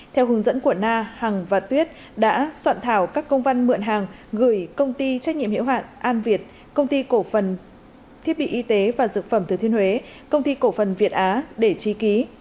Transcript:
theo hướng dẫn của na hằng và tuyết đã soạn thảo các công văn mượn hàng gửi công ty trách nhiệm hiệu hạn an việt công ty cổ phần thiết bị y tế và dược phẩm thứ thiên huế công ty cổ phần việt á để tri ký